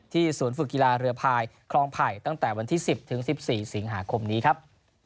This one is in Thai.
ศูนย์ฝึกกีฬาเรือพายคลองไผ่ตั้งแต่วันที่๑๐๑๔สิงหาคมนี้ครับ